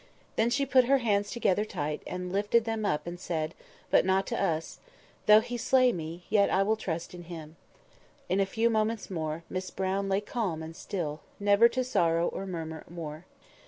Then she put her hands together tight, and lifted them up, and said—but not to us—"Though He slay me, yet will I trust in Him." In a few moments more Miss Brown lay calm and still—never to sorrow or murmur more.